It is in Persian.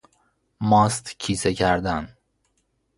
ماست کیسه کردن